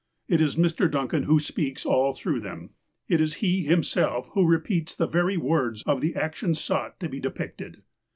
It is Mr. Duncan wlio speaks all through them. It is he himself who re peats the very words of the action sought to be depicted.